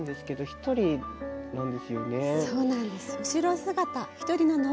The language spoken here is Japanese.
そうなんです。